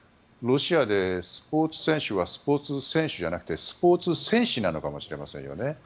ロシアでスポーツ選手はスポーツ選手ではなくてスポーツ戦士なのかもしれませんね